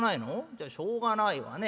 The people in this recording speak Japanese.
じゃしょうがないわね。